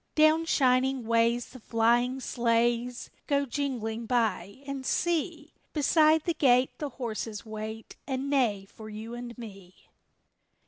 Down shining ways the flying sleighs Go jingling by, and see! Beside the gate the horses wait And neigh for you and me!